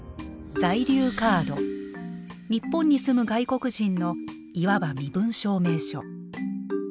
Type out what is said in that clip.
日本に住む外国人のいわば身分証明書。